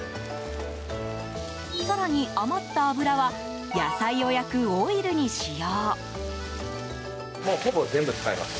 更に、余った脂は野菜を焼くオイルに使用。